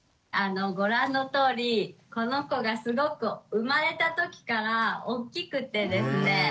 ご覧のとおりこの子がすごく生まれた時から大きくてですね